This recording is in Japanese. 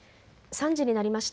３時になりました。